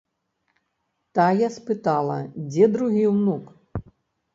Тая спытала, дзе другі ўнук?